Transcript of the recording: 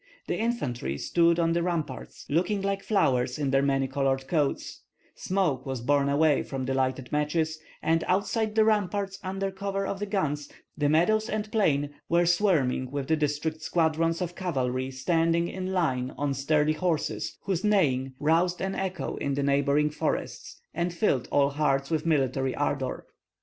The infantry stood on the ramparts looking like flowers in their many colored coats, smoke was borne away from the lighted matches, and outside the ramparts under cover of the guns the meadows and plain were swarming with the district squadrons of cavalry standing in line on sturdy horses, whose neighing roused an echo in the neighboring forests and filled all hearts with military ardor.